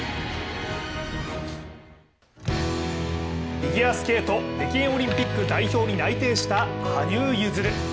フィギュアスケート北京オリンピック代表に内定した羽生結弦。